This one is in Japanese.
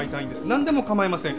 なんでも構いません。